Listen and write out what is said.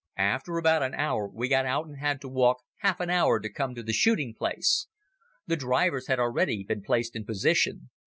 After about an hour, we got out and had to walk half an hour to come to the shooting place. The drivers had already been placed in position.